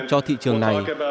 cho thị trường này